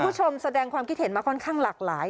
คุณผู้ชมแสดงความคิดเห็นมาค่อนข้างหลากหลาย